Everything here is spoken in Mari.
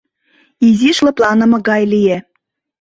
Изиш лыпланыме гай лие.